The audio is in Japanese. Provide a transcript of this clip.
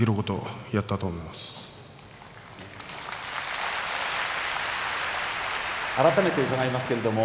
拍手改めて伺います。